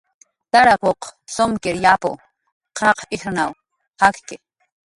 Tarakuq sumkir yapu, qaq ijrnaw jakki.